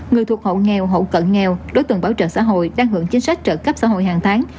người thuộc hộ nghèo hộ cận nghèo đối tượng bảo trợ xã hội đang hưởng chính sách trợ cấp xã hội hàng tháng